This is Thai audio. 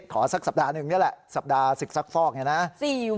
ขอสักสัปดาห์หนึ่งนี่แหละสัปดาห์สึกสักฟอกอย่างนี้นะ